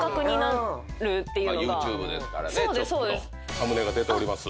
サムネが出ております。